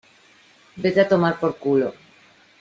vete a tomar por culo.